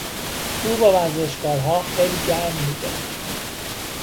او با ورزشکارها خیلی گرم میگرفت.